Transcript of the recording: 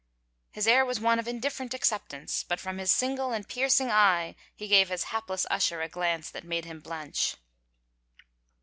His air was one of indifferent acceptance, but from his single and piercing eye he gave his hapless usher a glance that made him blench.